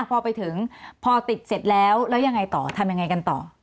พอไปถึงพอติดเสร็จแล้วแล้วยังไงต่อทำยังไงกันต่อ